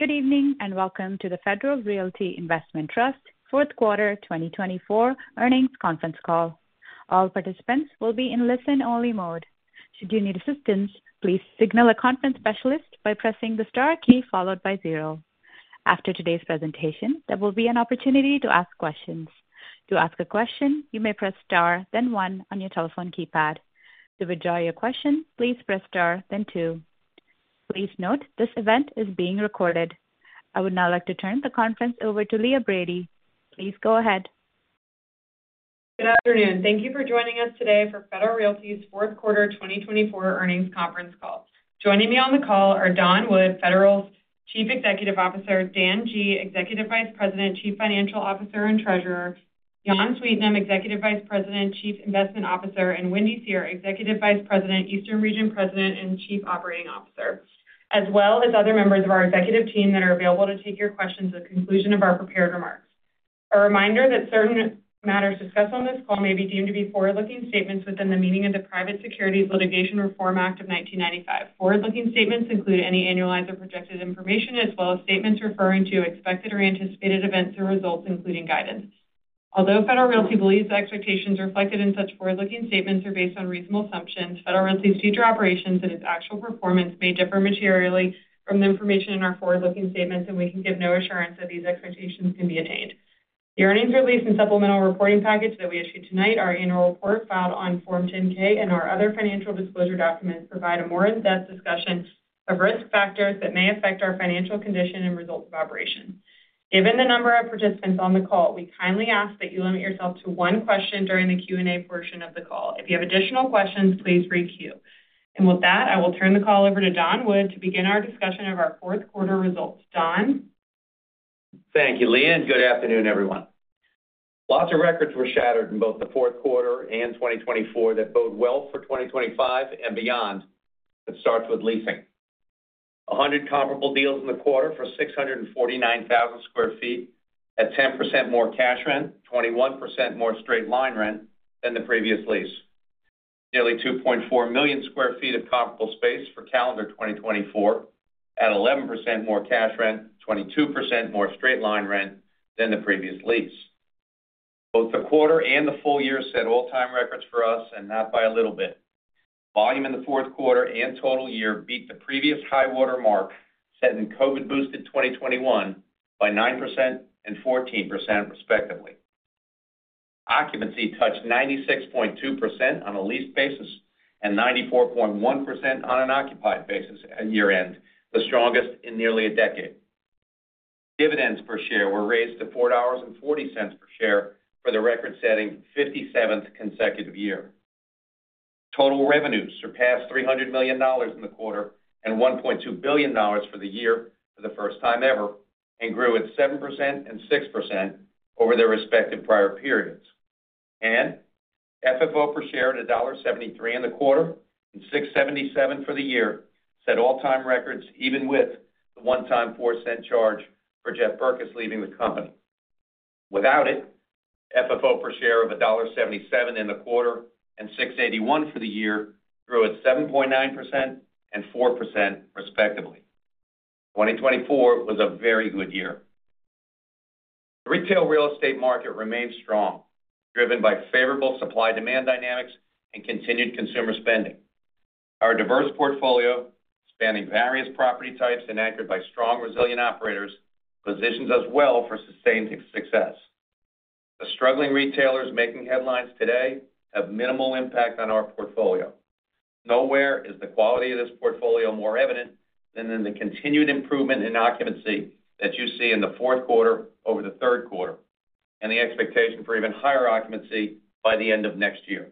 Good evening and welcome to the Federal Realty Investment Trust Fourth Quarter 2024 Earnings Conference Call. All participants will be in listen-only mode. Should you need assistance, please signal a conference specialist by pressing the star key followed by zero. After today's presentation, there will be an opportunity to ask questions. To ask a question, you may press star, then one on your telephone keypad. To withdraw your question, please press star, then two. Please note this event is being recorded. I would now like to turn the conference over to Leah Brady. Please go ahead. Good afternoon. Thank you for joining us today for Federal Realty's Fourth Quarter 2024 Earnings Conference Call. Joining me on the call are Don Wood, Federal's Chief Executive Officer, Dan Guglielmone, Executive Vice President, Chief Financial Officer and Treasurer, Jan Sweetnam, Executive Vice President, Chief Investment Officer, and Wendy Seher, Executive Vice President, Eastern Region President and Chief Operating Officer, as well as other members of our executive team that are available to take your questions at the conclusion of our prepared remarks. A reminder that certain matters discussed on this call may be deemed to be forward-looking statements within the meaning of the Private Securities Litigation Reform Act of 1995. Forward-looking statements include any annualized or projected information, as well as statements referring to expected or anticipated events or results, including guidance. Although Federal Realty believes the expectations reflected in such forward-looking statements are based on reasonable assumptions, Federal Realty's future operations and its actual performance may differ materially from the information in our forward-looking statements, and we can give no assurance that these expectations can be attained. The earnings release and supplemental reporting package that we issued tonight, our annual report filed on Form 10-K and our other financial disclosure documents provide a more in-depth discussion of risk factors that may affect our financial condition and results of operations. Given the number of participants on the call, we kindly ask that you limit yourself to one question during the Q&A portion of the call. If you have additional questions, please re-queue. And with that, I will turn the call over to Don Wood to begin our discussion of our fourth quarter results. Don? Thank you, Leah. And good afternoon, everyone. Lots of records were shattered in both the fourth quarter and 2024 that boded well for 2025 and beyond. It starts with leasing. 100 comparable deals in the quarter for 649,000 square feet at 10% more cash rent, 21% more straight line rent than the previous lease. Nearly 2.4 million square feet of comparable space for calendar 2024 at 11% more cash rent, 22% more straight line rent than the previous lease. Both the quarter and the full year set all-time records for us, and not by a little bit. Volume in the fourth quarter and total year beat the previous high watermark set in COVID-boosted 2021 by 9% and 14%, respectively. Occupancy touched 96.2% on a leased basis and 94.1% on an occupied basis at year-end, the strongest in nearly a decade. Dividends per share were raised to $4.40 per share for the record-setting 57th consecutive year. Total revenues surpassed $300 million in the quarter and $1.2 billion for the year for the first time ever and grew at 7% and 6% over their respective prior periods, and FFO per share at $1.73 in the quarter and $6.77 for the year set all-time records, even with the one-time $0.04 charge for Jeff Berkes leaving the company. Without it, FFO per share of $1.77 in the quarter and $6.81 for the year grew at 7.9% and 4%, respectively. 2024 was a very good year. The retail real estate market remained strong, driven by favorable supply-demand dynamics and continued consumer spending. Our diverse portfolio, spanning various property types and anchored by strong, resilient operators, positions us well for sustained success. The struggling retailers making headlines today have minimal impact on our portfolio. Nowhere is the quality of this portfolio more evident than in the continued improvement in occupancy that you see in the fourth quarter over the third quarter and the expectation for even higher occupancy by the end of next year.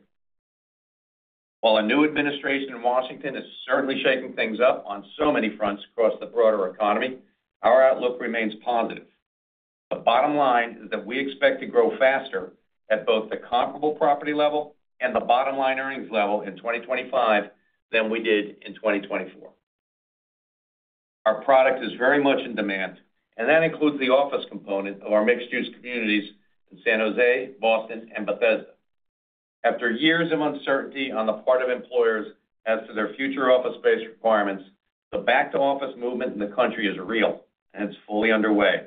While a new administration in Washington is certainly shaking things up on so many fronts across the broader economy, our outlook remains positive. The bottom line is that we expect to grow faster at both the comparable property level and the bottom-line earnings level in 2025 than we did in 2024. Our product is very much in demand, and that includes the office component of our mixed-use communities in San Jose, Boston, and Bethesda. After years of uncertainty on the part of employers as to their future office space requirements, the back-to-office movement in the country is real, and it's fully underway.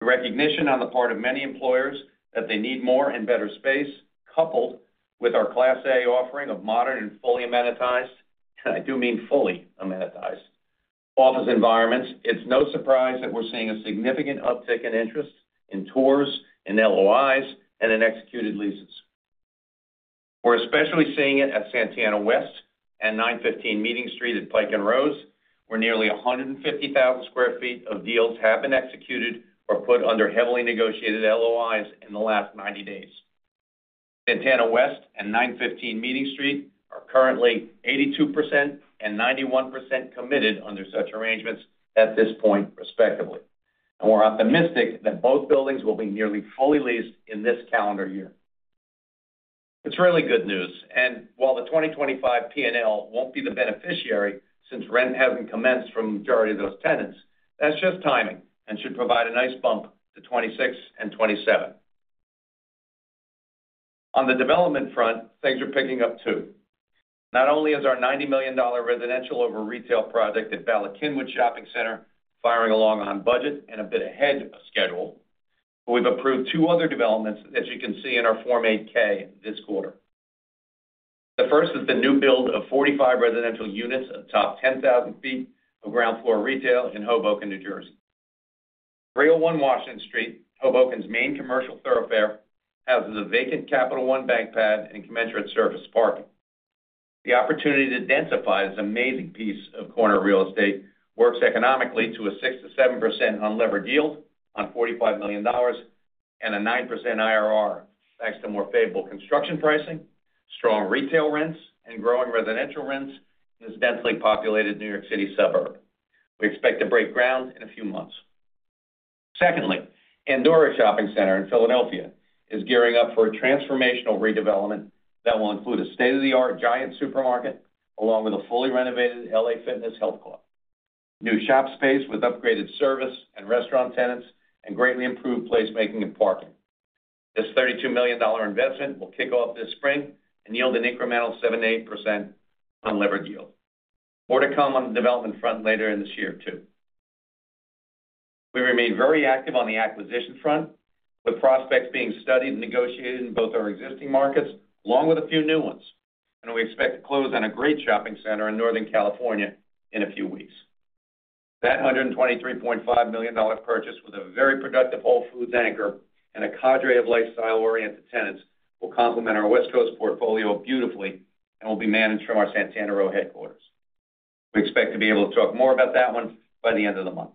The recognition on the part of many employers that they need more and better space, coupled with our Class A offering of modern and fully amenitized, and I do mean fully amenitized, office environments. It's no surprise that we're seeing a significant uptick in interest in tours and LOIs and in executed leases. We're especially seeing it at Santana West and 915 Meeting Street at Pike & Rose, where nearly 150,000 square feet of deals have been executed or put under heavily negotiated LOIs in the last 90 days. Santana West and 915 Meeting Street are currently 82% and 91% committed under such arrangements at this point, respectively. We're optimistic that both buildings will be nearly fully leased in this calendar year. It's really good news. And while the 2025 P&L won't be the beneficiary since rent hasn't commenced for the majority of those tenants, that's just timing and should provide a nice bump to 2026 and 2027. On the development front, things are picking up too. Not only is our $90 million residential over retail project at Bala Cynwyd Shopping Center firing along on budget and a bit ahead of schedule, but we've approved two other developments, as you can see in our Form 8-K, this quarter. The first is the new build of 45 residential units atop 10,000 square feet of ground floor retail in Hoboken, New Jersey. 301 Washington Street, Hoboken's main commercial thoroughfare, houses a vacant Capital One bank pad and commensurate surface parking. The opportunity to densify this amazing piece of corner real estate works economically to a 6%-7% unlevered yield on $45 million and a 9% IRR thanks to more favorable construction pricing, strong retail rents, and growing residential rents in this densely populated New York City suburb. We expect to break ground in a few months. Secondly, Andorra Shopping Center in Philadelphia is gearing up for a transformational redevelopment that will include a state-of-the-art Giant supermarket along with a fully renovated LA Fitness Health Club, new shop space with upgraded service and restaurant tenants and greatly improved placemaking and parking. This $32 million investment will kick off this spring and yield an incremental 7%-8% unlevered yield. More to come on the development front later in this year, too. We remain very active on the acquisition front, with prospects being studied and negotiated in both our existing markets along with a few new ones, and we expect to close on a great shopping center in Northern California in a few weeks. That $123.5 million purchase with a very productive Whole Foods anchor and a cadre of lifestyle-oriented tenants will complement our West Coast portfolio beautifully and will be managed from our Santana Row headquarters. We expect to be able to talk more about that one by the end of the month.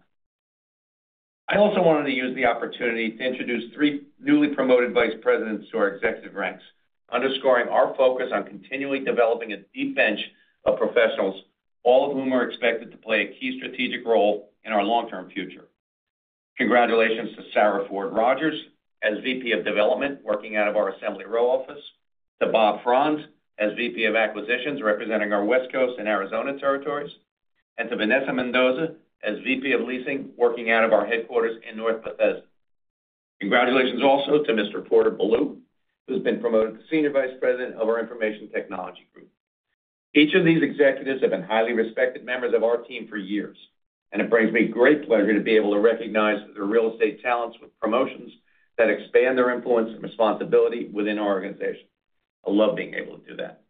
I also wanted to use the opportunity to introduce three newly promoted vice presidents to our executive ranks, underscoring our focus on continually developing a deep bench of professionals, all of whom are expected to play a key strategic role in our long-term future. Congratulations to Sarah Ford-Rogers as VP of Development working out of our Assembly Row office, to Bob Franz as VP of Acquisitions representing our West Coast and Arizona territories, and to Vanessa Mendoza as VP of Leasing working out of our headquarters in North Bethesda. Congratulations also to Mr. Paarth Balu, who has been promoted to Senior Vice President of our Information Technology Group. Each of these executives have been highly respected members of our team for years, and it brings me great pleasure to be able to recognize their real estate talents with promotions that expand their influence and responsibility within our organization. I love being able to do that.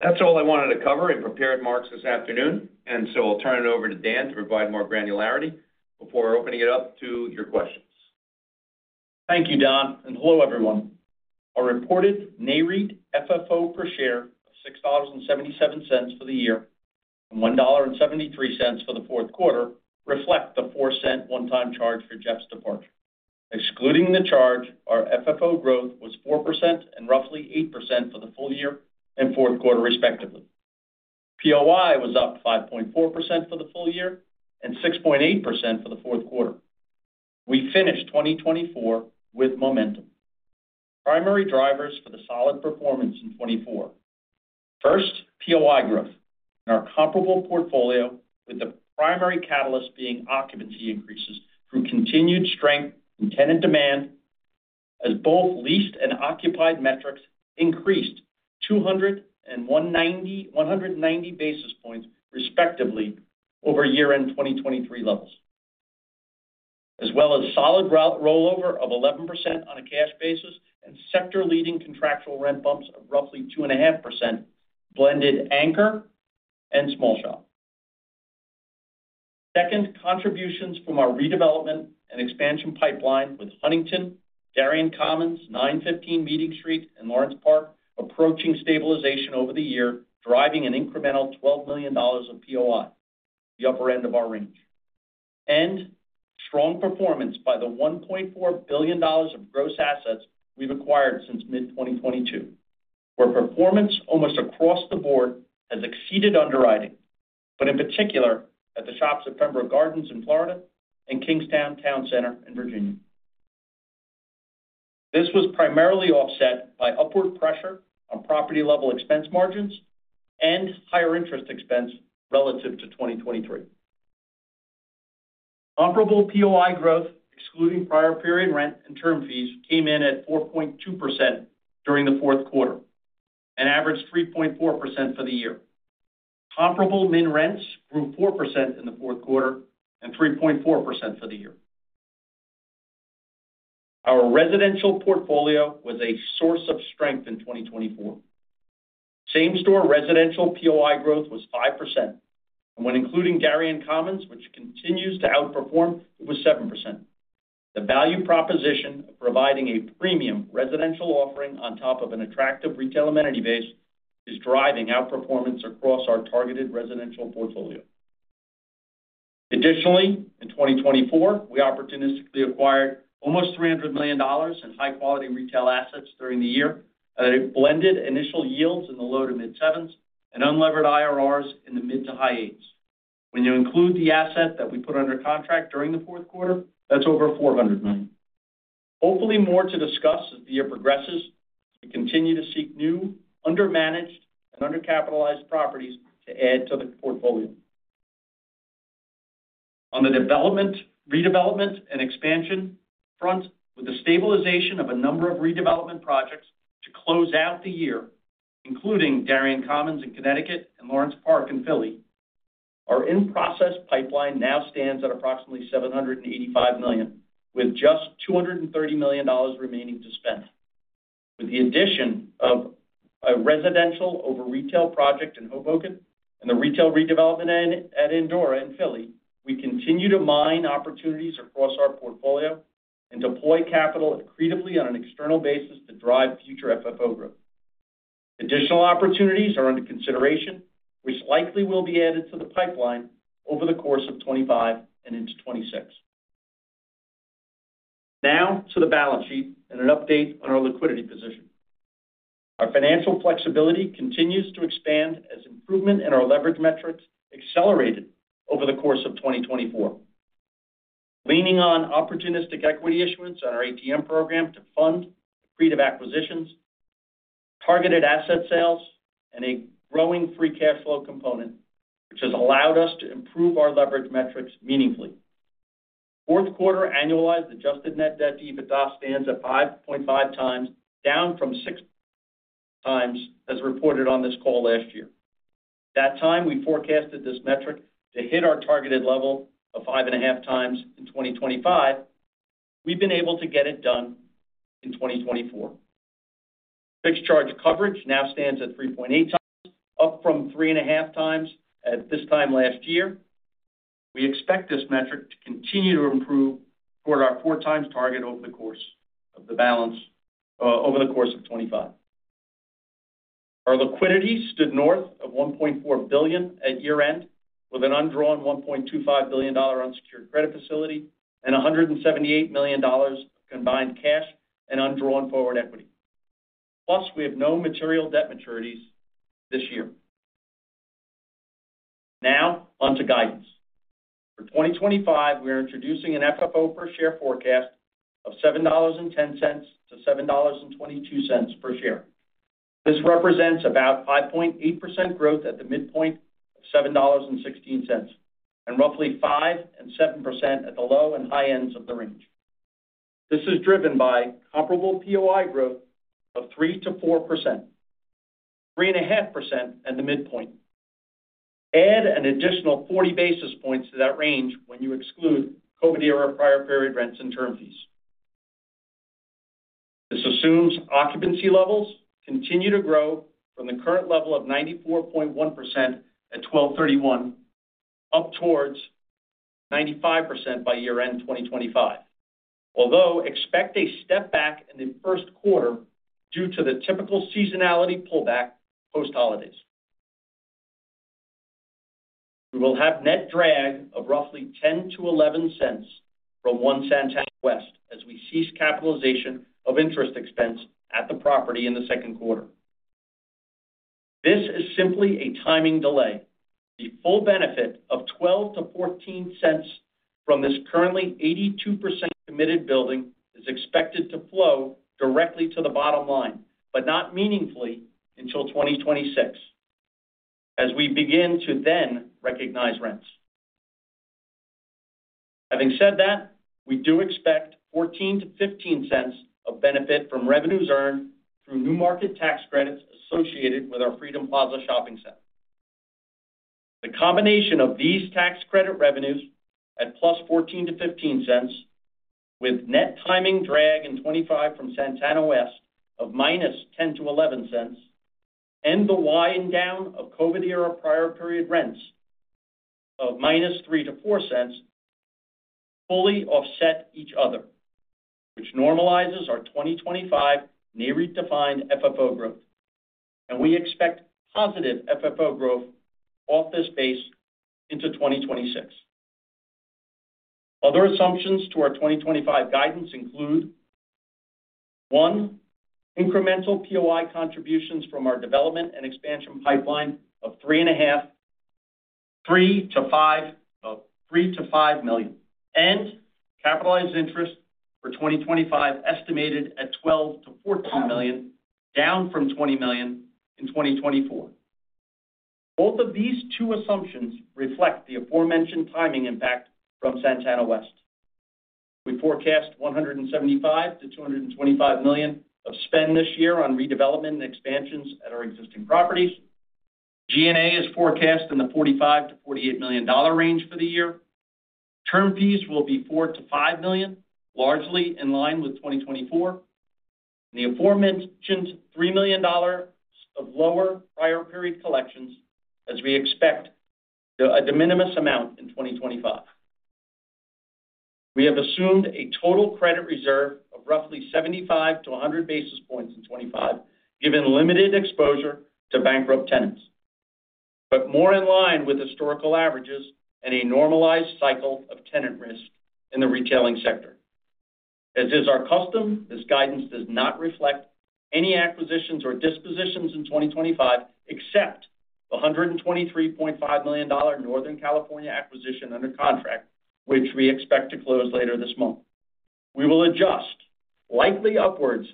That's all I wanted to cover in prepared remarks this afternoon, and so I'll turn it over to Dan to provide more granularity before opening it up to your questions. Thank you, Don, and hello, everyone. Our reported Nareit FFO per share of $6.77 for the year and $1.73 for the fourth quarter reflect the $0.04 one-time charge for Jeff's departure. Excluding the charge, our FFO growth was 4% and roughly 8% for the full year and fourth quarter, respectively. POI was up 5.4% for the full year and 6.8% for the fourth quarter. We finished 2024 with momentum. Primary drivers for the solid performance in 2024: first, POI growth in our comparable portfolio, with the primary catalyst being occupancy increases through continued strength in tenant demand, as both leased and occupied metrics increased 200 and 190 basis points, respectively, over year-end 2023 levels, as well as solid rollover of 11% on a cash basis and sector-leading contractual rent bumps of roughly 2.5%, blended anchor and small shop. Second, contributions from our redevelopment and expansion pipeline with Huntington, Darien Commons, 915 Meeting Street, and Lawrence Park approaching stabilization over the year, driving an incremental $12 million of POI, the upper end of our range, and strong performance by the $1.4 billion of gross assets we've acquired since mid-2022, where performance almost across the board has exceeded underwriting, but in particular at The Shops at Pembroke Gardens in Florida and Kingstowne Towne Center in Virginia. This was primarily offset by upward pressure on property-level expense margins and higher interest expense relative to 2023. Comparable POI growth, excluding prior-period rent and term fees, came in at 4.2% during the fourth quarter and averaged 3.4% for the year. Comparable minimum rents grew 4% in the fourth quarter and 3.4% for the year. Our residential portfolio was a source of strength in 2024. Same-store residential POI growth was 5%. When including Darien Commons, which continues to outperform, it was 7%. The value proposition of providing a premium residential offering on top of an attractive retail amenity base is driving outperformance across our targeted residential portfolio. Additionally, in 2024, we opportunistically acquired almost $300 million in high-quality retail assets during the year, and it blended initial yields in the low to mid-sevens and unlevered IRRs in the mid to high eights. When you include the asset that we put under contract during the fourth quarter, that's over $400 million. Hopefully, more to discuss as the year progresses as we continue to seek new, under-managed, and under-capitalized properties to add to the portfolio. On the development, redevelopment, and expansion front, with the stabilization of a number of redevelopment projects to close out the year, including Darien Commons in Connecticut and Lawrence Park in Philly, our in-process pipeline now stands at approximately $785 million, with just $230 million remaining to spend. With the addition of a residential over retail project in Hoboken and the retail redevelopment at Andorra in Philly, we continue to mine opportunities across our portfolio and deploy capital accretively on an external basis to drive future FFO growth. Additional opportunities are under consideration, which likely will be added to the pipeline over the course of 2025 and into 2026. Now to the balance sheet and an update on our liquidity position. Our financial flexibility continues to expand as improvement in our leverage metrics accelerated over the course of 2024, leaning on opportunistic equity issuance on our ATM program to fund accretive acquisitions, targeted asset sales, and a growing free cash flow component, which has allowed us to improve our leverage metrics meaningfully. Fourth-quarter annualized adjusted net debt EBITDA stands at 5.5 times, down from six times as reported on this call last year. That time, we forecasted this metric to hit our targeted level of 5.5 times in 2025. We've been able to get it done in 2024. Fixed charge coverage now stands at 3.8 times, up from 3.5 times at this time last year. We expect this metric to continue to improve toward our four-times target over the course of 2025. Our liquidity stood north of $1.4 billion at year-end, with an undrawn $1.25 billion unsecured credit facility and $178 million of combined cash and undrawn forward equity. Plus, we have no material debt maturities this year. Now onto guidance. For 2025, we are introducing an FFO per share forecast of $7.10-$7.22 per share. This represents about 5.8% growth at the midpoint of $7.16 and roughly 5% and 7% at the low and high ends of the range. This is driven by comparable POI growth of 3%-4%, 3.5% at the midpoint. Add an additional 40 basis points to that range when you exclude COVID-era prior-period rents and term fees. This assumes occupancy levels continue to grow from the current level of 94.1% at 12/31 up towards 95% by year-end 2025, although expect a step back in the first quarter due to the typical seasonality pullback post-holidays. We will have net drag of roughly $0.10-$0.11 from One Santana West as we cease capitalization of interest expense at the property in the second quarter. This is simply a timing delay. The full benefit of $0.12-$0.14 from this currently 82% committed building is expected to flow directly to the bottom line, but not meaningfully until 2026, as we begin to then recognize rents. Having said that, we do expect $0.14-$0.15 of benefit from revenues earned through New Markets Tax Credits associated with our Freedom Plaza shopping center. The combination of these tax credit revenues at plus $0.14-$0.15, with net timing drag in 2025 from Santana West of -$0.10 to -$0.11, and the wind down of COVID-era prior-period rents of -$0.03 to -$0.04 fully offset each other, which normalizes our 2025 Nareit-defined FFO growth, and we expect positive FFO growth off this base into 2026. Other assumptions to our 2025 guidance include: one, incremental POI contributions from our development and expansion pipeline of $3.5, $3-$5, $3-$5 million, and capitalized interest for 2025 estimated at $12-$14 million, down from $20 million in 2024. Both of these two assumptions reflect the aforementioned timing impact from Santana West. We forecast $175-$225 million of spend this year on redevelopment and expansions at our existing properties. G&A is forecast in the $45-$48 million-dollar range for the year. Term fees will be $4-$5 million, largely in line with 2024. The aforementioned $3 million of lower prior-period collections as we expect a de minimis amount in 2025. We have assumed a total credit reserve of roughly 75 to 100 basis points in 2025, given limited exposure to bankrupt tenants, but more in line with historical averages and a normalized cycle of tenant risk in the retailing sector. As is our custom, this guidance does not reflect any acquisitions or dispositions in 2025, except the $123.5 million Northern California acquisition under contract, which we expect to close later this month. We will adjust likely upwards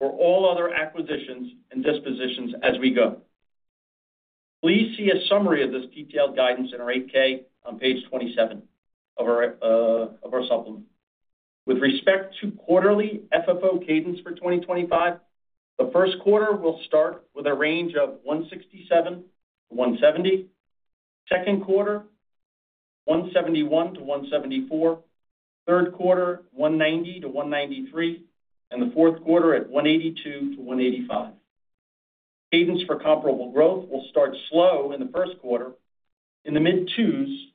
for all other acquisitions and dispositions as we go. Please see a summary of this detailed guidance in our 8-K on page 27 of our supplement. With respect to quarterly FFO cadence for 2025, the first quarter will start with a range of 167-170, second quarter 171-174, third quarter 190-193, and the fourth quarter at 182-185. Cadence for comparable growth will start slow in the first quarter, in the mid-twos,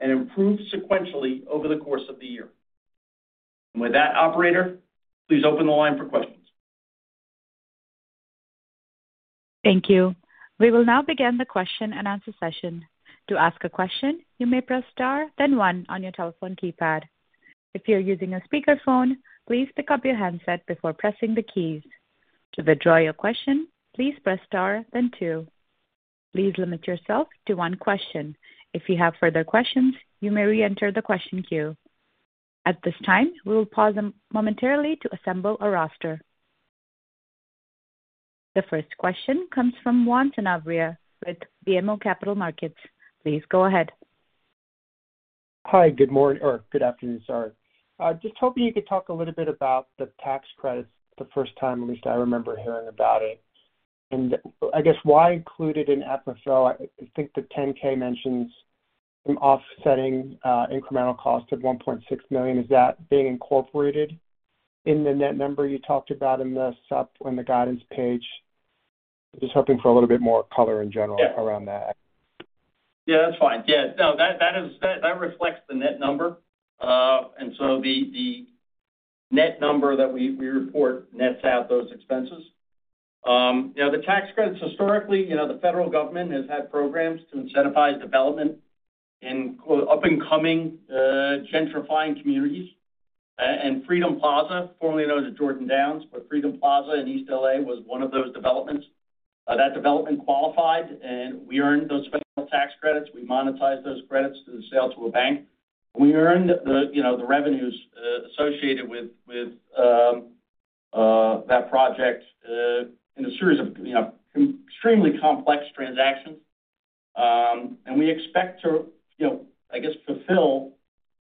and improve sequentially over the course of the year. With that, Operator, please open the line for questions. Thank you. We will now begin the question and answer session. To ask a question, you may press star, then one on your telephone keypad. If you're using a speakerphone, please pick up your handset before pressing the keys. To withdraw your question, please press star, then two. Please limit yourself to one question. If you have further questions, you may re-enter the question queue. At this time, we will pause momentarily to assemble a roster. The first question comes from Juan Sanabria with BMO Capital Markets. Please go ahead. Hi. Good morning or good afternoon, sorry. Just hoping you could talk a little bit about the tax credits the first time, at least I remember hearing about it, and I guess why include it in FFO? I think the 10-K mentions offsetting incremental cost of $1.6 million. Is that being incorporated in the net number you talked about in the Supp on the guidance page? Just hoping for a little bit more color in general around that. Yeah. Yeah, that's fine. Yeah. No, that reflects the net number, and so the net number that we report nets out those expenses. The tax credits historically, the federal government has had programs to incentivize development in up-and-coming, gentrifying communities, and Freedom Plaza, formerly known as Jordan Downs, but Freedom Plaza in East LA was one of those developments. That development qualified, and we earned those federal tax credits. We monetized those credits through the sale to a bank. We earned the revenues associated with that project in a series of extremely complex transactions, and we expect to, I guess, fulfill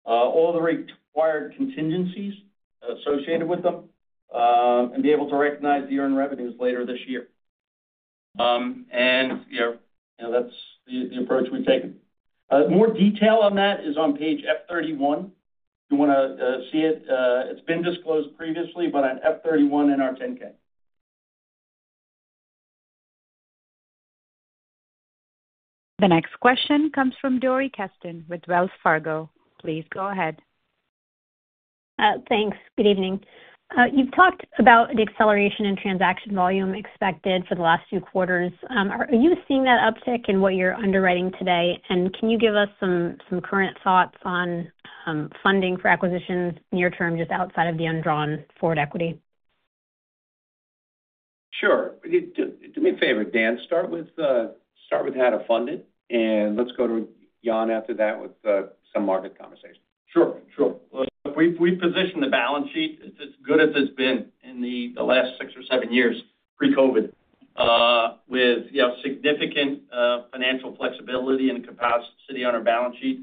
all the required contingencies associated with them and be able to recognize the earned revenues later this year, and that's the approach we've taken. More detail on that is on page F31. If you want to see it, it's been disclosed previously, but on F31 in our 10-K. The next question comes from Dory Kesten with Wells Fargo. Please go ahead. Thanks. Good evening. You've talked about the acceleration in transaction volume expected for the last few quarters. Are you seeing that uptick in what you're underwriting today? And can you give us some current thoughts on funding for acquisitions near-term just outside of the undrawn forward equity? Sure. Do me a favor, Dan. Start with how to fund it, and let's go to Jan after that with some market conversation. Sure. Sure. We position the balance sheet as good as it's been in the last six or seven years pre-COVID, with significant financial flexibility and capacity on our balance sheet,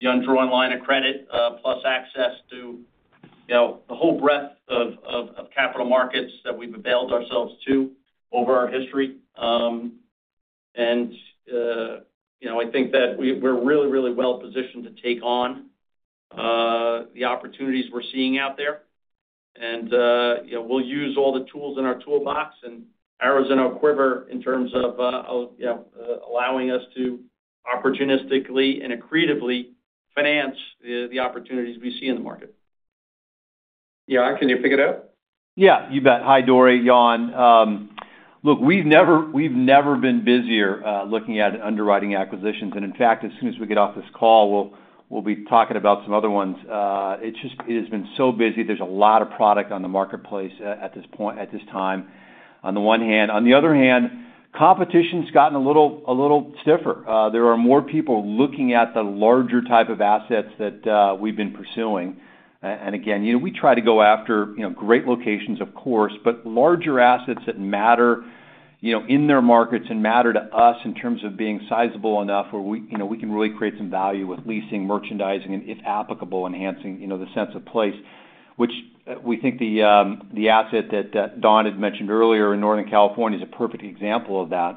the undrawn line of credit plus access to the whole breadth of capital markets that we've availed ourselves to over our history, and I think that we're really, really well positioned to take on the opportunities we're seeing out there, and we'll use all the tools in our toolbox and arrows in our quiver in terms of allowing us to opportunistically and accretively finance the opportunities we see in the market. Yeah. Can you pick it up? Yeah. You bet. Hi, Dory. Yeah. Look, we've never been busier looking at underwriting acquisitions, and in fact, as soon as we get off this call, we'll be talking about some other ones. It has been so busy. There's a lot of product on the marketplace at this time, on the one hand. On the other hand, competition's gotten a little stiffer. There are more people looking at the larger type of assets that we've been pursuing, and again, we try to go after great locations, of course, but larger assets that matter in their markets and matter to us in terms of being sizable enough where we can really create some value with leasing, merchandising, and if applicable, enhancing the sense of place, which we think the asset that Don had mentioned earlier in Northern California is a perfect example of that.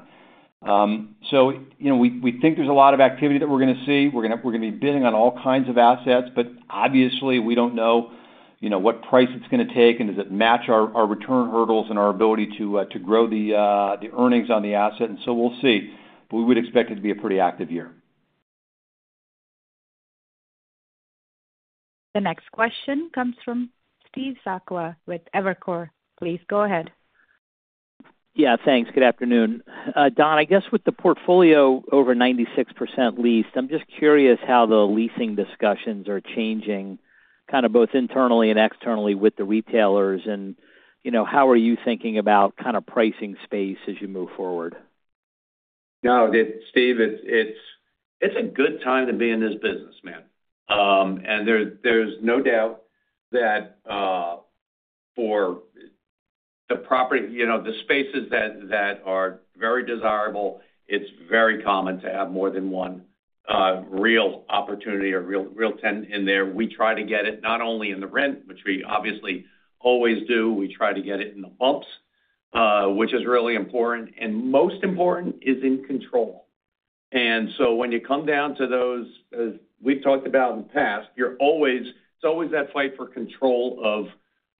So we think there's a lot of activity that we're going to see. We're going to be bidding on all kinds of assets, but obviously, we don't know what price it's going to take and does it match our return hurdles and our ability to grow the earnings on the asset. And so we'll see. But we would expect it to be a pretty active year. The next question comes from Steve Sakwa with Evercore. Please go ahead. Yeah. Thanks. Good afternoon. Don, I guess with the portfolio over 96% leased, I'm just curious how the leasing discussions are changing, kind of both internally and externally with the retailers, and how are you thinking about kind of pricing space as you move forward? No, Steve, it's a good time to be in this business, man, and there's no doubt that for the property, the spaces that are very desirable, it's very common to have more than one real opportunity or real tenant in there. We try to get it not only in the rent, which we obviously always do. We try to get it in the bumps, which is really important, and most important is in control, and so when you come down to those we've talked about in the past, it's always that fight for control of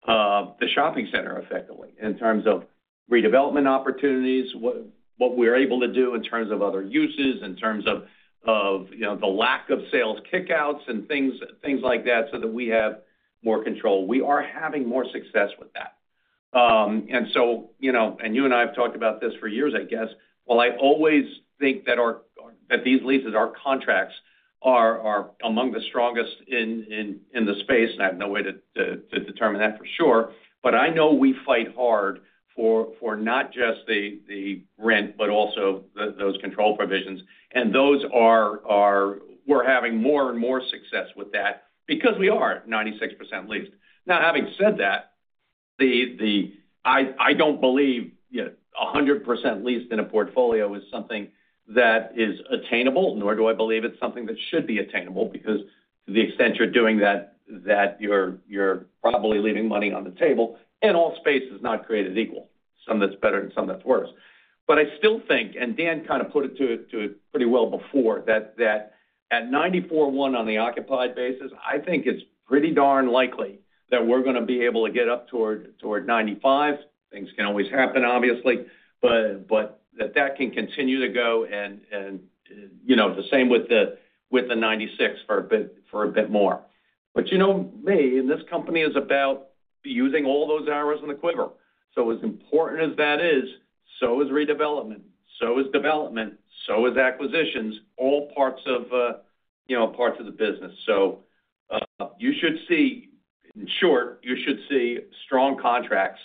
the shopping center effectively in terms of redevelopment opportunities, what we're able to do in terms of other uses, in terms of the lack of sales kickouts and things like that so that we have more control. We are having more success with that. And you and I have talked about this for years, I guess. Well, I always think that these leases, our contracts are among the strongest in the space. And I have no way to determine that for sure. But I know we fight hard for not just the rent, but also those control provisions. And we're having more and more success with that because we are 96% leased. Now, having said that, I don't believe 100% leased in a portfolio is something that is attainable, nor do I believe it's something that should be attainable because to the extent you're doing that, you're probably leaving money on the table. And all space is not created equal. Some that's better and some that's worse. I still think, and Dan kind of put it to it pretty well before, that at 94.1 on the occupied basis, I think it's pretty darn likely that we're going to be able to get up toward 95. Things can always happen, obviously, but that can continue to go. And the same with the 96 for a bit more. But you know me, and this company is about using all those arrows in the quiver. So as important as that is, so is redevelopment, so is development, so is acquisitions, all parts of the business. So you should see, in short, you should see strong contracts,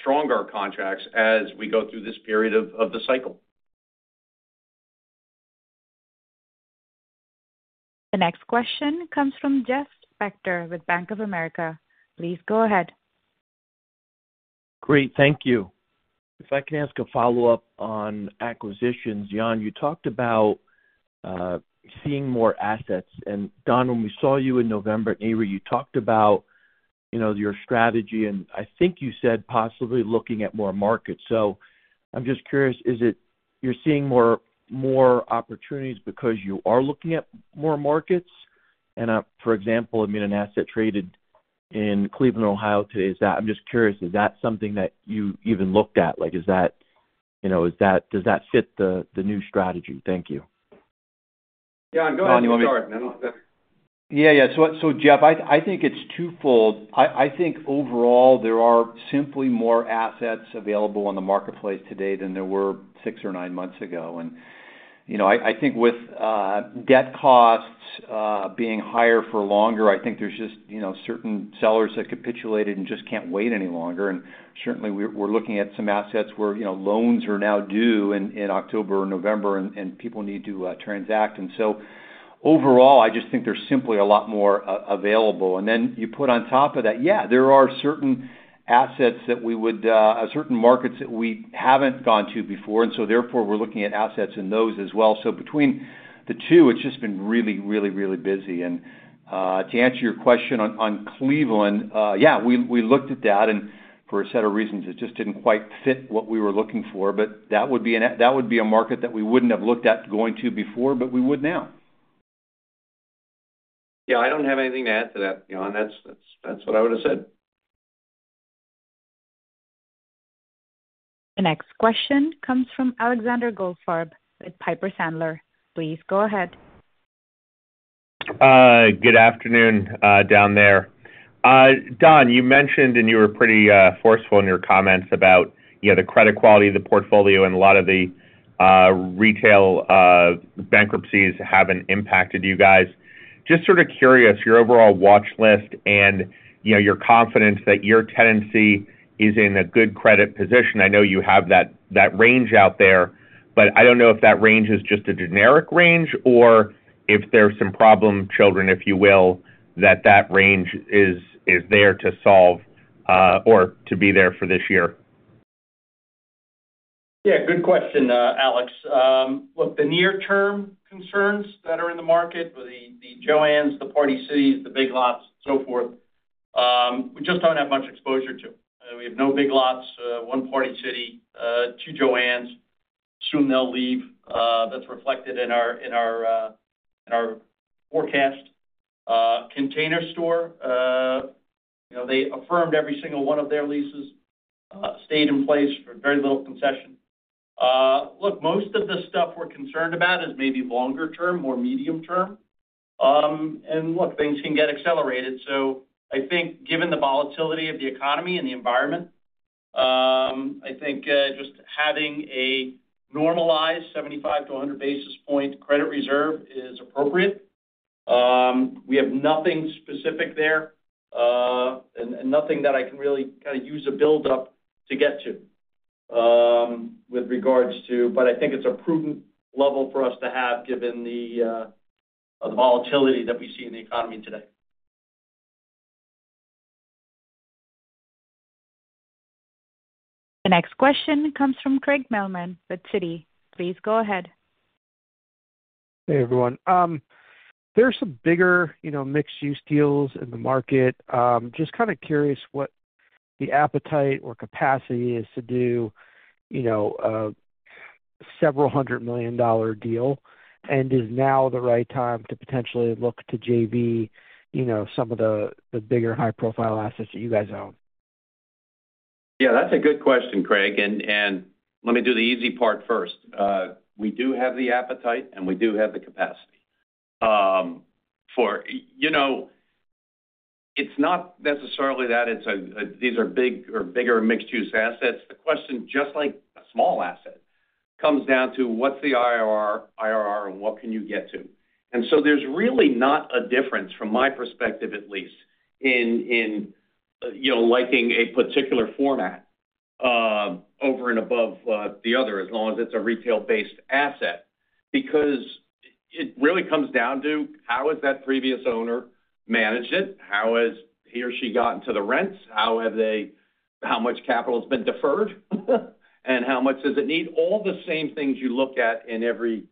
stronger contracts as we go through this period of the cycle. The next question comes from Jeff Spector with Bank of America. Please go ahead. Great. Thank you. If I can ask a follow-up on acquisitions, Jan, you talked about seeing more assets. And Don, when we saw you in November at Nareit, you talked about your strategy. And I think you said possibly looking at more markets. So I'm just curious, you're seeing more opportunities because you are looking at more markets? And for example, I mean, an asset traded in Cleveland, Ohio today, is that? I'm just curious, is that something that you even looked at? Is that? Does that fit the new strategy? Thank you. Yeah. Go ahead. I'm sorry. Yeah. Yeah. So Jeff, I think it's twofold. I think overall, there are simply more assets available on the marketplace today than there were six or nine months ago. And I think with debt costs being higher for longer, I think there's just certain sellers that capitulated and just can't wait any longer. And certainly, we're looking at some assets where loans are now due in October or November, and people need to transact. And so overall, I just think there's simply a lot more available. And then you put on top of that, yeah, there are certain assets that we would, certain markets that we haven't gone to before. And so therefore, we're looking at assets in those as well. So between the two, it's just been really, really, really busy. And to answer your question on Cleveland, yeah, we looked at that. For a set of reasons, it just didn't quite fit what we were looking for. That would be a market that we wouldn't have looked at going to before, but we would now. Yeah. I don't have anything to add to that, Dawn. That's what I would have said. The next question comes from Alexander Goldfarb with Piper Sandler. Please go ahead. Good afternoon down there. Don, you mentioned, and you were pretty forceful in your comments about the credit quality of the portfolio, and a lot of the retail bankruptcies haven't impacted you guys. Just sort of curious, your overall watch list and your confidence that your tenancy is in a good credit position? I know you have that range out there, but I don't know if that range is just a generic range or if there's some problem children, if you will, that that range is there to solve or to be there for this year. Yeah. Good question, Alex. Look, the near-term concerns that are in the market, the JOANNs, the Party Cities, the Big Lots, and so forth, we just don't have much exposure to. We have no Big Lots, one Party City, two JOANNs. Soon they'll leave. That's reflected in our forecast. Container Store, they affirmed every single one of their leases, stayed in place for very little concession. Look, most of the stuff we're concerned about is maybe longer-term, more medium-term. And look, things can get accelerated. So I think given the volatility of the economy and the environment, I think just having a normalized 75-100 basis points credit reserve is appropriate. We have nothing specific there and nothing that I can really kind of use a build-up to get to with regards to, but I think it's a prudent level for us to have given the volatility that we see in the economy today. The next question comes from Craig Mailman with Citi. Please go ahead. Hey, everyone. There's some bigger mixed-use deals in the market. Just kind of curious what the appetite or capacity is to do a several hundred million dollar deal. And is now the right time to potentially look to JV some of the bigger high-profile assets that you guys own? Yeah. That's a good question, Craig. And let me do the easy part first. We do have the appetite, and we do have the capacity. It's not necessarily that these are big or bigger mixed-use assets. The question, just like a small asset, comes down to what's the IRR and what can you get to? And so there's really not a difference, from my perspective at least, in liking a particular format over and above the other as long as it's a retail-based asset because it really comes down to how has that previous owner managed it? How has he or she gotten to the rents? How much capital has been deferred? And how much does it need? All the same things you look at in every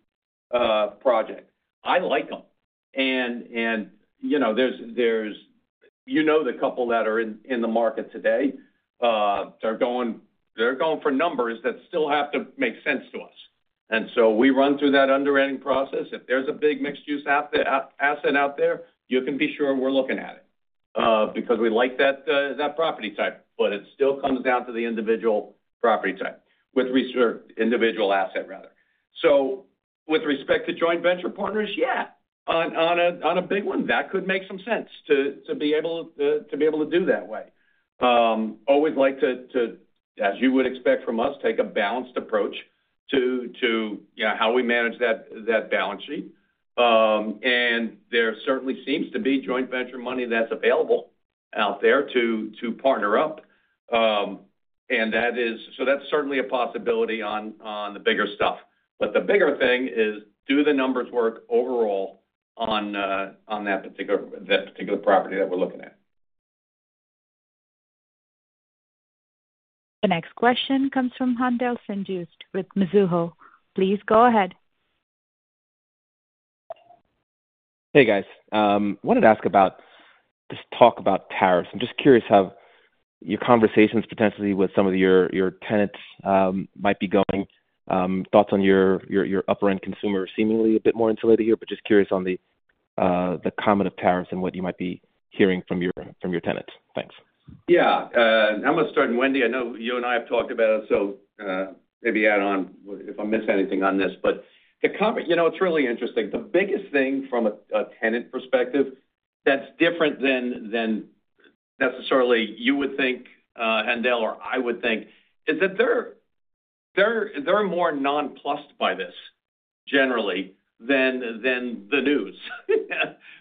project. I like them. And you know the couple that are in the market today. They're going for numbers that still have to make sense to us. And so we run through that underwriting process. If there's a big mixed-use asset out there, you can be sure we're looking at it because we like that property type. But it still comes down to the individual property type with individual asset, rather. So with respect to joint venture partners, yeah. On a big one, that could make some sense to be able to do that way. Always like to, as you would expect from us, take a balanced approach to how we manage that balance sheet. And there certainly seems to be joint venture money that's available out there to partner up. And so that's certainly a possibility on the bigger stuff. But the bigger thing is do the numbers work overall on that particular property that we're looking at. The next question comes from Haendel St. Juste with Mizuho. Please go ahead. Hey, guys. I wanted to ask about this talk about tariffs. I'm just curious how your conversations potentially with some of your tenants might be going. Thoughts on your upper-end consumer seemingly a bit more insulated here, but just curious on the comment of tariffs and what you might be hearing from your tenants. Thanks. Yeah. I'm going to start in Wendy. I know you and I have talked about it, so maybe add on if I missed anything on this. But it's really interesting. The biggest thing from a tenant perspective that's different than necessarily you would think, Haendel, or I would think, is that they're more nonplussed by this generally than the news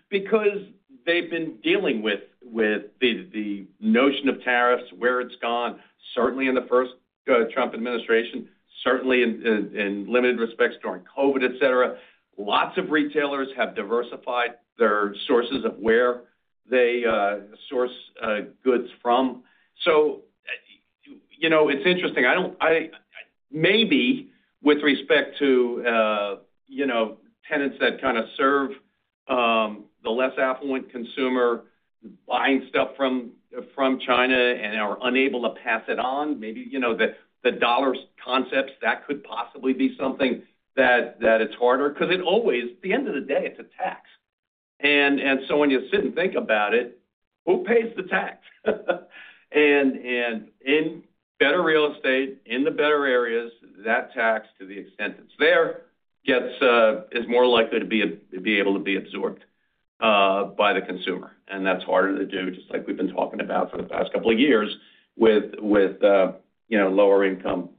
because they've been dealing with the notion of tariffs, where it's gone, certainly in the first Trump administration, certainly in limited respects during COVID, etc. Lots of retailers have diversified their sources of where they source goods from. So it's interesting. Maybe with respect to tenants that kind of serve the less affluent consumer buying stuff from China and are unable to pass it on, maybe the dollar stores, that could possibly be something that it's harder because it always, at the end of the day, it's a tax. And so when you sit and think about it, who pays the tax? And in better real estate, in the better areas, that tax, to the extent it's there, is more likely to be able to be absorbed by the consumer. And that's harder to do, just like we've been talking about for the past couple of years with lower-income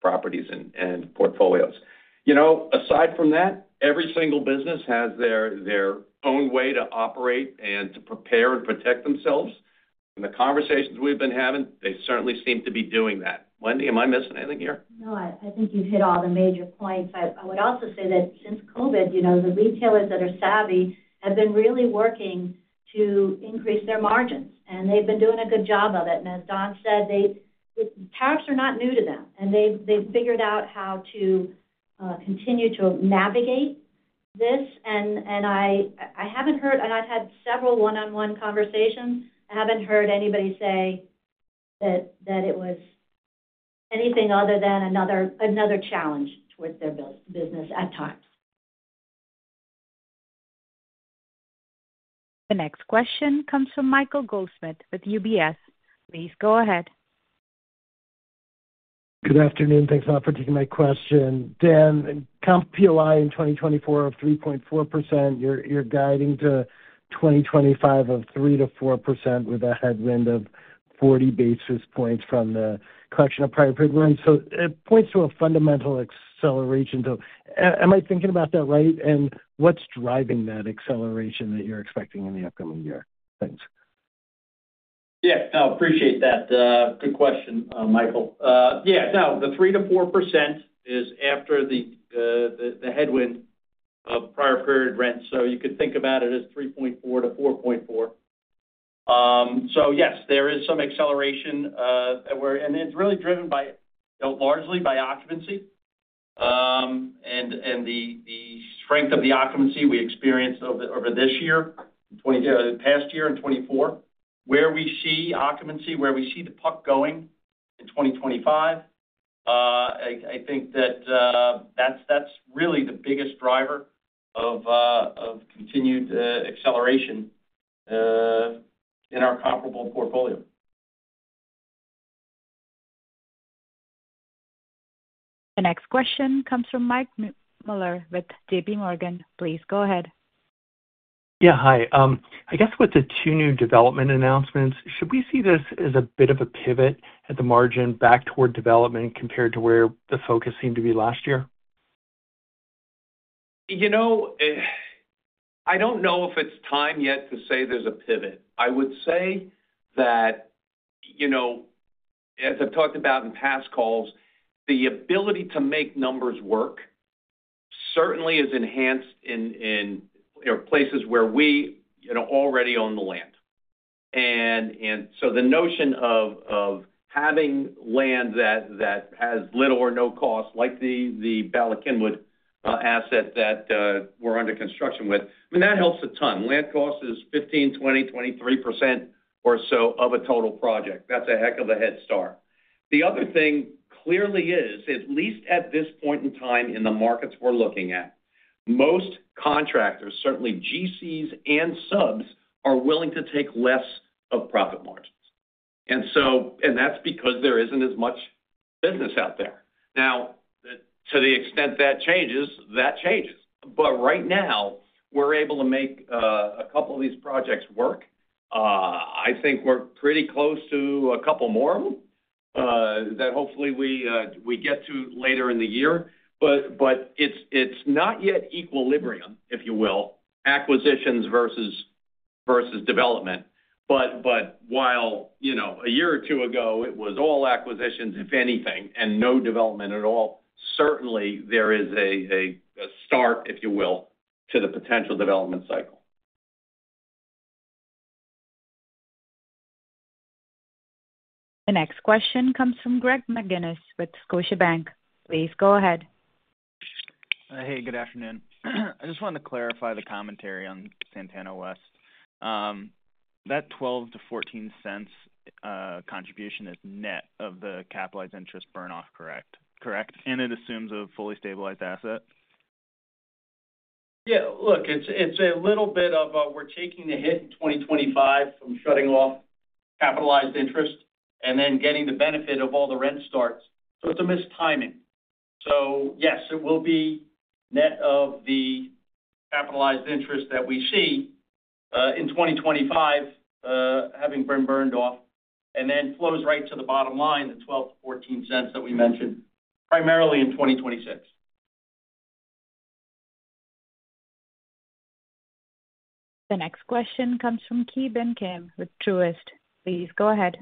properties and portfolios. Aside from that, every single business has their own way to operate and to prepare and protect themselves. And the conversations we've been having, they certainly seem to be doing that. Wendy, am I missing anything here? No, I think you've hit all the major points. I would also say that since COVID, the retailers that are savvy have been really working to increase their margins. And they've been doing a good job of it. And as Don said, tariffs are not new to them. And they've figured out how to continue to navigate this. And I haven't heard, and I've had several one-on-one conversations, I haven't heard anybody say that it was anything other than another challenge towards their business at times. The next question comes from Michael Goldsmith with UBS. Please go ahead. Good afternoon. Thanks a lot for taking my question. Dan, comp POI in 2024 of 3.4%, you're guiding to 2025 of 3%-4% with a headwind of 40 basis points from the collection of prior payroll. So it points to a fundamental acceleration. So am I thinking about that right? And what's driving that acceleration that you're expecting in the upcoming year? Thanks. Yeah. No, appreciate that. Good question, Michael. Yeah. No, the 3%-4% is after the headwind of prior period rents. So you could think about it as 3.4%-4.4%. So yes, there is some acceleration. And it's really driven largely by occupancy. And the strength of the occupancy we experienced over this year, past year and 2024, where we see occupancy, where we see the puck going in 2025, I think that that's really the biggest driver of continued acceleration in our comparable portfolio. The next question comes from Mike Mueller with J.P. Morgan. Please go ahead. Yeah. Hi. I guess with the two new development announcements, should we see this as a bit of a pivot at the margin back toward development compared to where the focus seemed to be last year? I don't know if it's time yet to say there's a pivot. I would say that, as I've talked about in past calls, the ability to make numbers work certainly is enhanced in places where we already own the land. And so the notion of having land that has little or no cost, like the Bala Cynwyd asset that we're under construction with, I mean, that helps a ton. Land cost is 15%, 20%, 23% or so of a total project. That's a heck of a head start. The other thing clearly is, at least at this point in time in the markets we're looking at, most contractors, certainly GCs and subs, are willing to take less of profit margins. And that's because there isn't as much business out there. Now, to the extent that changes, that changes. But right now, we're able to make a couple of these projects work. I think we're pretty close to a couple more of them that hopefully we get to later in the year. But it's not yet equilibrium, if you will, acquisitions versus development. But while a year or two ago, it was all acquisitions, if anything, and no development at all, certainly there is a start, if you will, to the potential development cycle. The next question comes from Greg McGinniss with Scotiabank. Please go ahead. Hey, good afternoon. I just wanted to clarify the commentary on Santana West. That $0.12-$0.14 contribution is net of the capitalized interest burn-off, correct? Correct. And it assumes a fully stabilized asset? Yeah. Look, it's a little bit of a we're taking the hit in 2025 from shutting off capitalized interest and then getting the benefit of all the rent starts. So it's a missed timing. So yes, it will be net of the capitalized interest that we see in 2025 having been burned off, and then flows right to the bottom line, the $0.12-$0.14 that we mentioned, primarily in 2026. The next question comes from Ki Bin Kim with Truist. Please go ahead.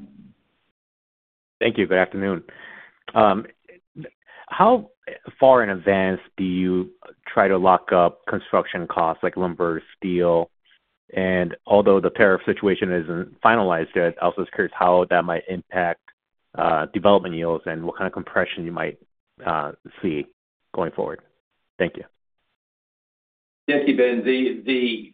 Thank you. Good afternoon. How far in advance do you try to lock up construction costs like lumber, steel? And although the tariff situation isn't finalized yet, I was just curious how that might impact development yields and what kind of compression you might see going forward. Thank you. Thank you, Bin.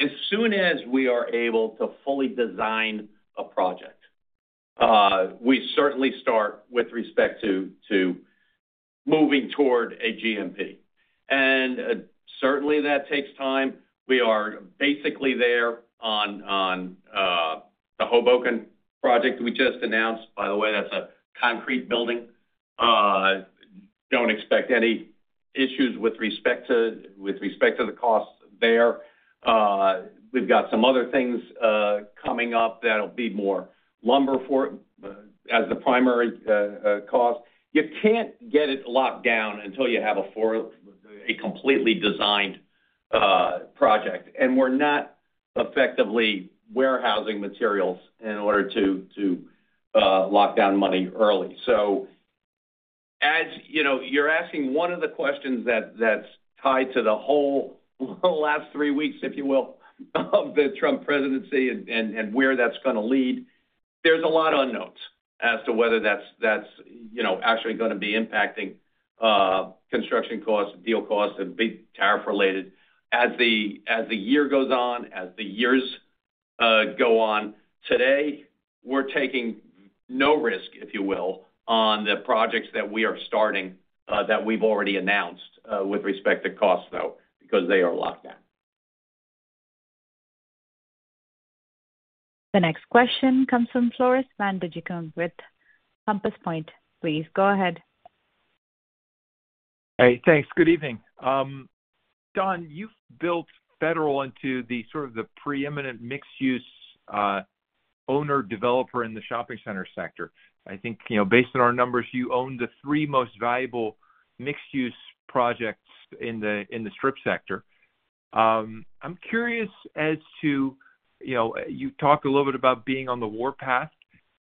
As soon as we are able to fully design a project, we certainly start with respect to moving toward a GMP. And certainly, that takes time. We are basically there on the Hoboken project we just announced. By the way, that's a concrete building. Don't expect any issues with respect to the costs there. We've got some other things coming up that'll be more lumber as the primary cost. You can't get it locked down until you have a completely designed project. And we're not effectively warehousing materials in order to lock down money early. As you're asking one of the questions that's tied to the whole last three weeks, if you will, of the Trump presidency and where that's going to lead, there's a lot of unknowns as to whether that's actually going to be impacting construction costs, deal costs, and big tariff-related as the year goes on, as the years go on. Today, we're taking no risk, if you will, on the projects that we are starting that we've already announced with respect to costs, though, because they are locked down. The next question comes from Floris van Dijkum with Compass Point. Please go ahead. Hey, thanks. Good evening. Don, you've built Federal into the sort of preeminent mixed-use owner-developer in the shopping center sector. I think based on our numbers, you own the three most valuable mixed-use projects in the strip sector. I'm curious as to you talked a little bit about being on the warpath.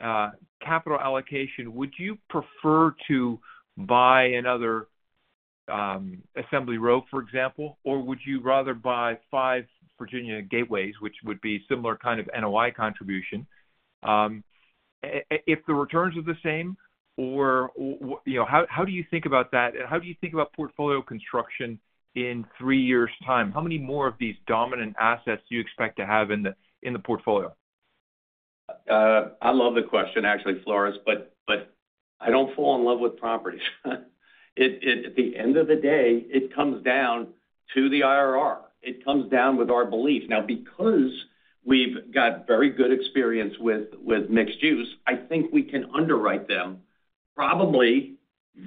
Capital allocation, would you prefer to buy another Assembly Row, for example, or would you rather buy five Virginia Gateways, which would be a similar kind of NOI contribution? If the returns are the same, how do you think about that? And how do you think about portfolio construction in three years' time? How many more of these dominant assets do you expect to have in the portfolio? I love the question, actually, Floris, but I don't fall in love with properties. At the end of the day, it comes down to the IRR. It comes down with our belief. Now, because we've got very good experience with mixed-use, I think we can underwrite them probably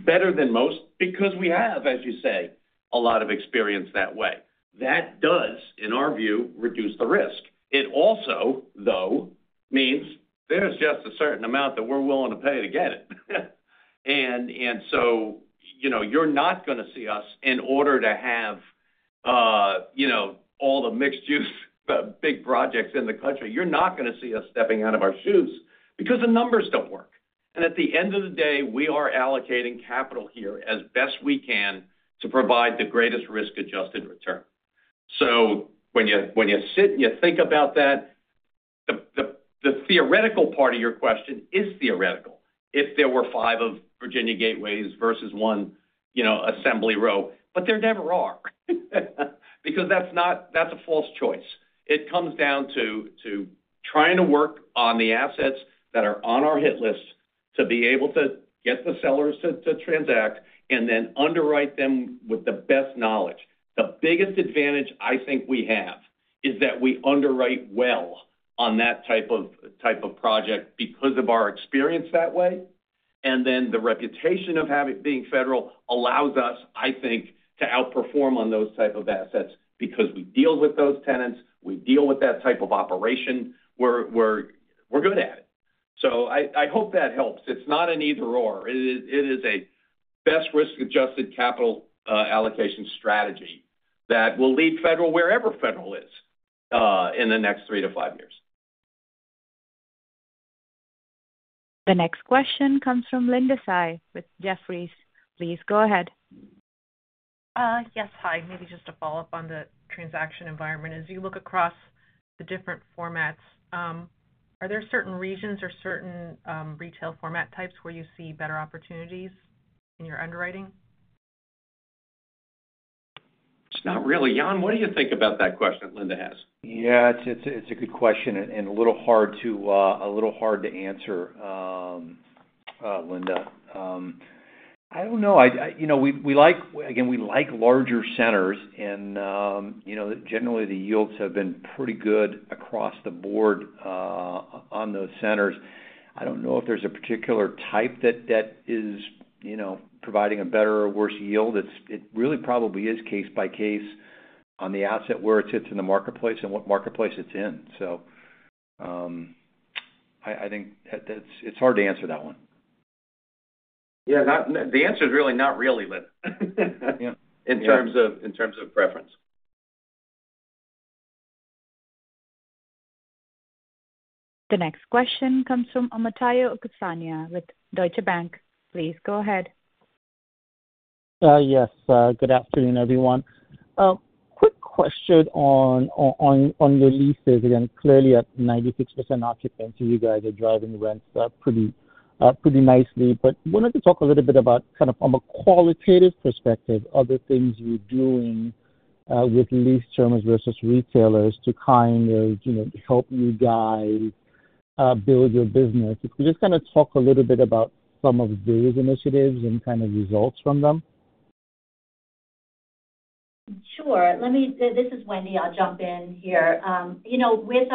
better than most because we have, as you say, a lot of experience that way. That does, in our view, reduce the risk. It also, though, means there's just a certain amount that we're willing to pay to get it. And so you're not going to see us, in order to have all the mixed-use big projects in the country, you're not going to see us stepping out of our shoes because the numbers don't work. And at the end of the day, we are allocating capital here as best we can to provide the greatest risk-adjusted return. So when you sit and you think about that, the theoretical part of your question is theoretical if there were five of Virginia Gateway versus one Assembly Row. But there never are because that's a false choice. It comes down to trying to work on the assets that are on our hit list to be able to get the sellers to transact and then underwrite them with the best knowledge. The biggest advantage I think we have is that we underwrite well on that type of project because of our experience that way. And then the reputation of being Federal allows us, I think, to outperform on those types of assets because we deal with those tenants. We deal with that type of operation. We're good at it. So I hope that helps. It's not an either/or. It is a best risk-adjusted capital allocation strategy that will lead Federal wherever Federal is in the next three to five years. The next question comes from Linda Tsai with Jefferies. Please go ahead. Yes. Hi. Maybe just a follow-up on the transaction environment. As you look across the different formats, are there certain regions or certain retail format types where you see better opportunities in your underwriting? It's not really. Jan, what do you think about that question that Linda has? Yeah. It's a good question and a little hard to answer, Linda. I don't know. Again, we like larger centers. And generally, the yields have been pretty good across the board on those centers. I don't know if there's a particular type that is providing a better or worse yield. It really probably is case by case on the asset, where it sits in the marketplace, and what marketplace it's in. So I think it's hard to answer that one. Yeah. The answer is really not really, Linda, in terms of preference. The next question comes from Omotayo Okusanya with Deutsche Bank. Please go ahead. Yes. Good afternoon, everyone. Quick question on your leases. Again, clearly, at 96% occupancy, you guys are driving rents up pretty nicely. But I wanted to talk a little bit about, kind of from a qualitative perspective, other things you're doing with lease terms versus retailers to kind of help you guys build your business. If we just kind of talk a little bit about some of those initiatives and kind of results from them. Sure. This is Wendy. I'll jump in here. With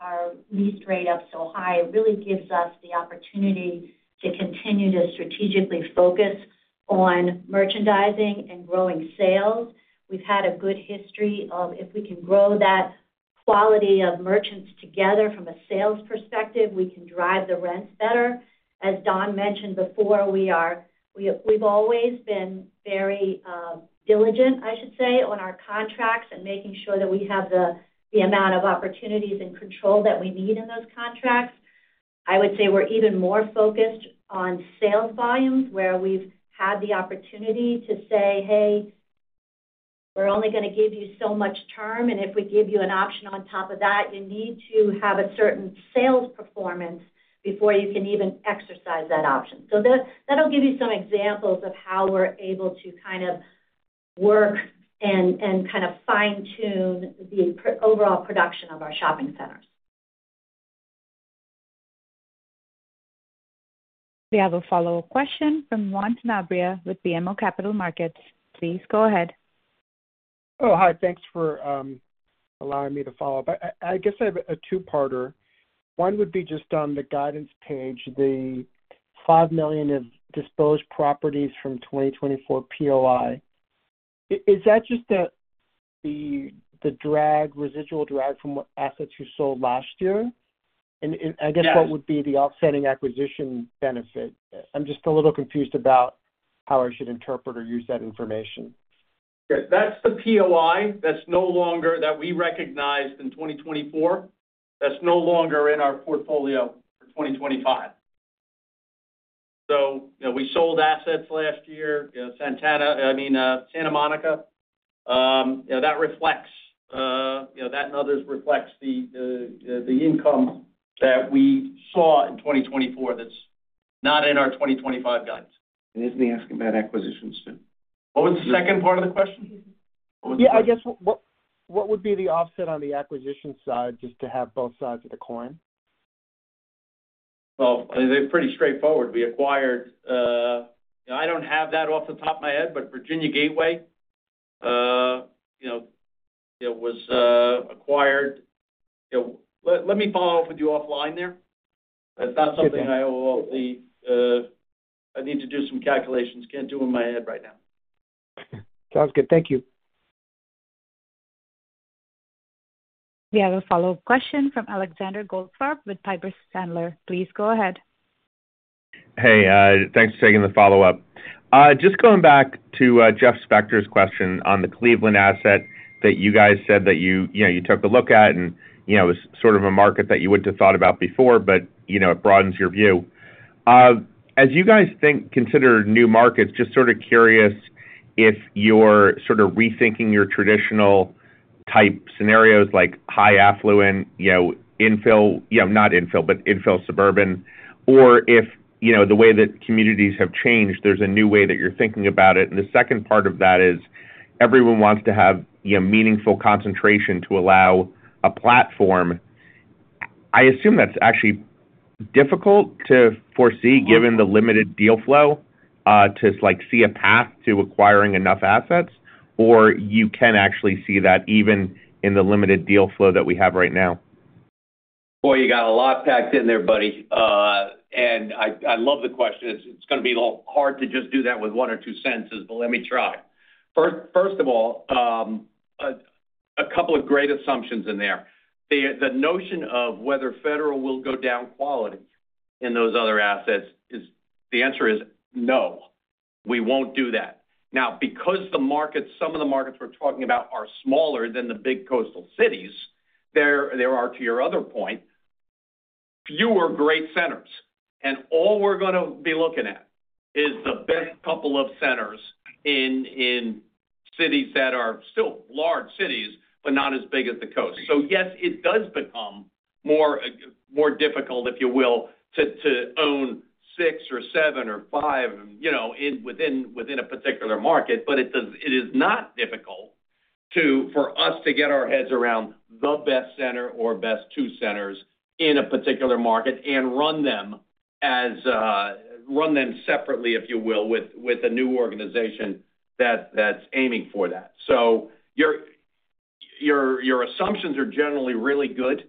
our lease rate up so high, it really gives us the opportunity to continue to strategically focus on merchandising and growing sales. We've had a good history of if we can grow that quality of merchants together from a sales perspective, we can drive the rents better. As Don mentioned before, we've always been very diligent, I should say, on our contracts and making sure that we have the amount of opportunities and control that we need in those contracts. I would say we're even more focused on sales volumes where we've had the opportunity to say, "Hey, we're only going to give you so much term. And if we give you an option on top of that, you need to have a certain sales performance before you can even exercise that option." So that'll give you some examples of how we're able to kind of work and kind of fine-tune the overall production of our shopping centers. We have a follow-up question from Juan Sanabria with BMO Capital Markets. Please go ahead. Oh, hi. Thanks for allowing me to follow up. I guess I have a two-parter. One would be just on the guidance page, the 5 million of disposed properties from 2024 POI. Is that just the residual drag from assets you sold last year? And I guess what would be the outstanding acquisition benefit? I'm just a little confused about how I should interpret or use that information. That's the POI that we recognized in 2024 that's no longer in our portfolio for 2025. So we sold assets last year, I mean, Santa Monica. That reflects that and others reflects the income that we saw in 2024 that's not in our 2025 guidance. And isn't he asking about acquisitions too? What was the second part of the question? Yeah. I guess what would be the offset on the acquisition side just to have both sides of the coin? They're pretty straightforward. We acquired. I don't have that off the top of my head, but Virginia Gateway was acquired. Let me follow up with you offline there. That's not something I will need. I need to do some calculations. Can't do it in my head right now. Sounds good. Thank you. We have a follow-up question from Alexander Goldfarb with Piper Sandler. Please go ahead. Hey. Thanks for taking the follow-up. Just going back to Jeff Spector's question on the Cleveland asset that you guys said that you took a look at and it was sort of a market that you wouldn't have thought about before, but it broadens your view. As you guys consider new markets, just sort of curious if you're sort of rethinking your traditional-type scenarios like high-affluent infill, not infill, but infill suburban, or if the way that communities have changed, there's a new way that you're thinking about it. And the second part of that is everyone wants to have meaningful concentration to allow a platform. I assume that's actually difficult to foresee given the limited deal flow to see a path to acquiring enough assets, or you can actually see that even in the limited deal flow that we have right now? Boy, you got a lot packed in there, buddy, and I love the question. It's going to be a little hard to just do that with one or two sentences, but let me try. First of all, a couple of great assumptions in there. The notion of whether Federal will go down quality in those other assets is, the answer is no. We won't do that. Now, because some of the markets we're talking about are smaller than the big coastal cities, there are, to your other point, fewer great centers, and all we're going to be looking at is the best couple of centers in cities that are still large cities, but not as big as the coast. So yes, it does become more difficult, if you will, to own six or seven or five within a particular market, but it is not difficult for us to get our heads around the best center or best two centers in a particular market and run them separately, if you will, with a new organization that's aiming for that. So your assumptions are generally really good.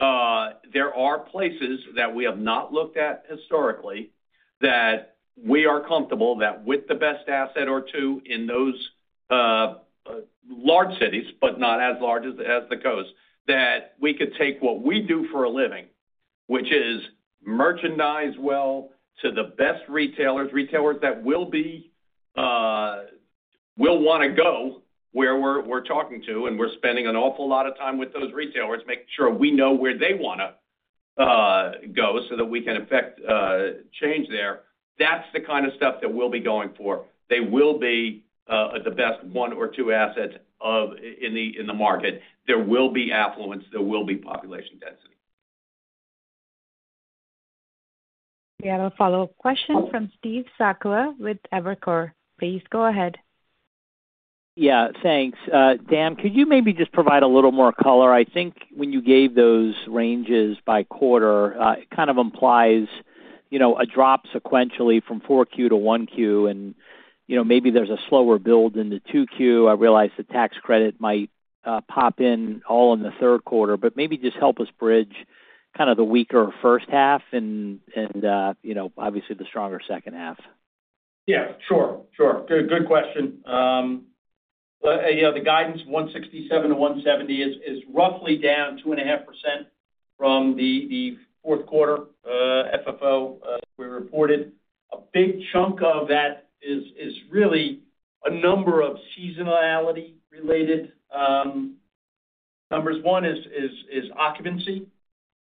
There are places that we have not looked at historically that we are comfortable that with the best asset or two in those large cities, but not as large as the coast, that we could take what we do for a living, which is merchandise well to the best retailers, retailers that will want to go where we're talking to, and we're spending an awful lot of time with those retailers, making sure we know where they want to go so that we can affect change there. That's the kind of stuff that we'll be going for. They will be the best one or two assets in the market. There will be affluence. There will be population density. We have a follow-up question from Steve Sakwa with Evercore. Please go ahead. Yeah. Thanks. Dan, could you maybe just provide a little more color? I think when you gave those ranges by quarter, it kind of implies a drop sequentially from 4Q to 1Q, and maybe there's a slower build into 2Q. I realize the tax credit might pop in all in the third quarter, but maybe just help us bridge kind of the weaker first half and obviously the stronger second half. Yeah. Sure. Sure. Good question. The guidance, 167-170, is roughly down 2.5% from the fourth quarter FFO we reported. A big chunk of that is really a number of seasonality-related numbers. One is occupancy.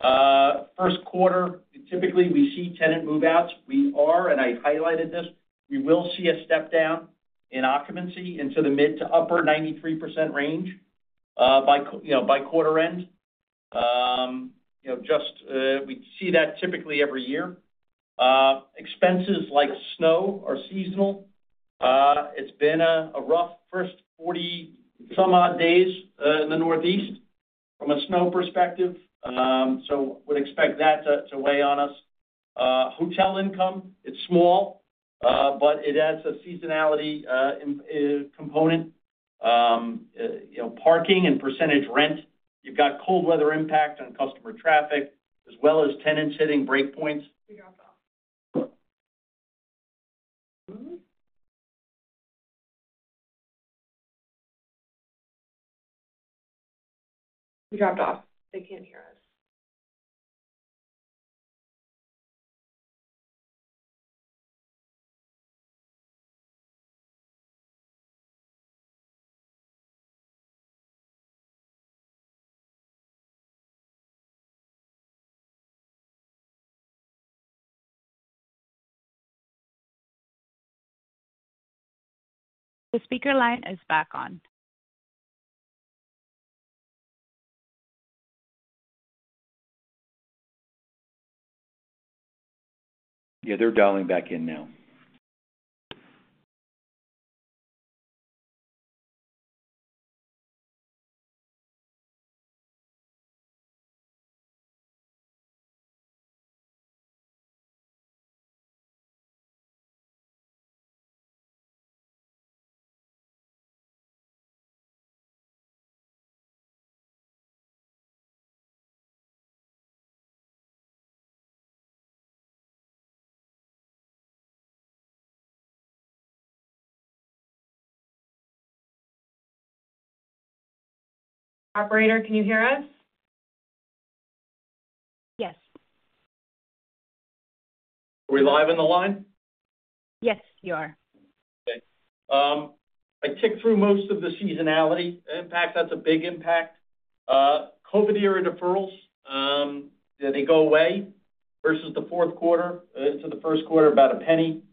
First quarter, typically, we see tenant move-outs. We are, and I highlighted this, we will see a step down in occupancy into the mid- to upper-93% range by quarter end. We see that typically every year. Expenses like snow are seasonal. It's been a rough first 40-some-odd days in the from a snow perspective. So we'd expect that to weigh on us. Hotel income, it's small, but it has a seasonality component. Parking and percentage rent, you've got cold weather impact on customer traffic as well as tenants hitting breakpoints. We dropped off. We dropped off. They can't hear us. The speaker line is back on. Yeah. They're dialing back in now. Operator, can you hear us? Yes. Are we live on the line? Yes, you are. Okay. I ticked through most of the seasonality impact. That's a big impact. COVID-era deferrals, they go away versus the fourth quarter into the first quarter about a penny.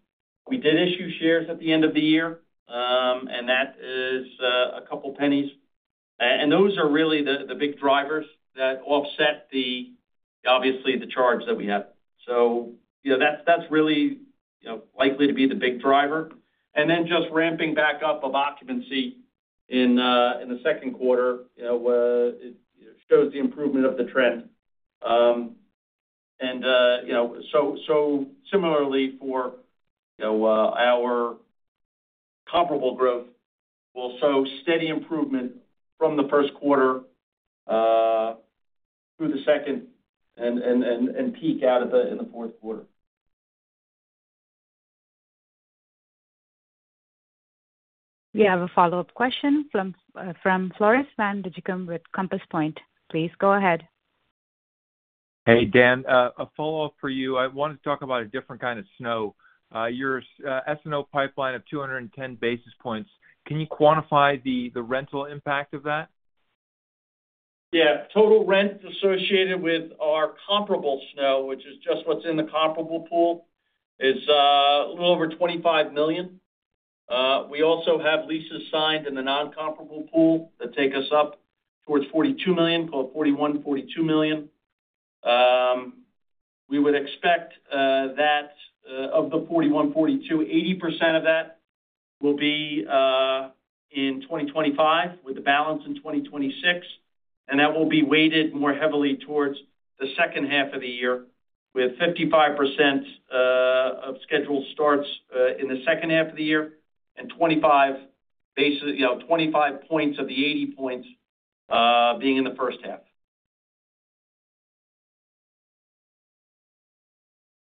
We did issue shares at the end of the year, and that is a couple of pennies. And those are really the big drivers that offset, obviously, the charge that we have. So that's really likely to be the big driver. And then just ramping back up of occupancy in the second quarter shows the improvement of the trend. And so similarly for our comparable growth, we'll show steady improvement from the first quarter through the second and peak out in the fourth quarter. We have a follow-up question from Floris van Dijkum with Compass Point. Please go ahead. Hey, Dan. A follow-up for you. I wanted to talk about a different kind of snow. Your SNO pipeline of 210 basis points, can you quantify the rental impact of that? Yeah. Total rent associated with our comparable NOI, which is just what's in the comparable pool, is a little over $25 million. We also have leases signed in the non-comparable pool that take us up towards $42 million, call it $41-$42 million. We would expect that of the $41-$42 million, 80% of that will be in 2025 with the balance in 2026. And that will be weighted more heavily towards the second half of the year with 55% of scheduled starts in the second half of the year and 25 points of the 80 points being in the first half.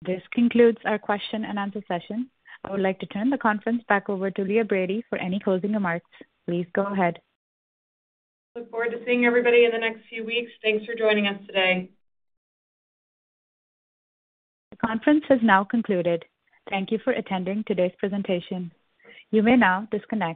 This concludes our question and answer session. I would like to turn the conference back over to Leah Brady for any closing remarks. Please go ahead. Look forward to seeing everybody in the next few weeks. Thanks for joining us today. The conference has now concluded. Thank you for attending today's presentation. You may now disconnect.